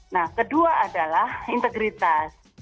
nah kedua adalah integritas